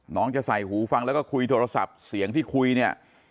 จะใส่หูฟังแล้วก็คุยโทรศัพท์เสียงที่คุยเนี่ย